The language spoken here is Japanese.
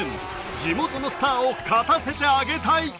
地元のスターを勝たせてあげ隊。